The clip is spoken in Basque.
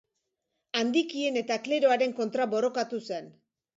Handikien eta kleroaren kontra borrokatu zen.